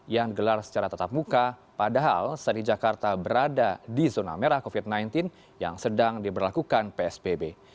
yang gelar secara tetap muka padahal seri jakarta berada di zona merah covid sembilan belas yang sedang diberlakukan psbb